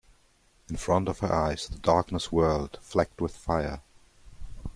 In front of her eyes the darkness whirled, flecked with fire.